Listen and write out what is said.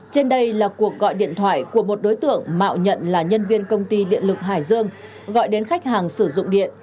trên đây là cuộc gọi điện thoại của một đối tượng mạo nhận là nhân viên công ty điện lực hải dương gọi đến khách hàng sử dụng điện